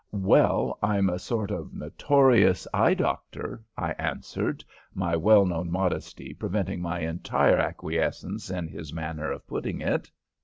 "'Well, I'm a sort of notorious eye doctor,' I answered, my well known modesty preventing my entire acquiescence in his manner of putting it.